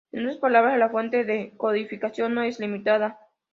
En otras palabras, la fuente de codificación no es limitada.